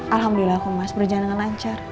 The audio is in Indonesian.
alhamdulillah aku mas berjalan dengan lancar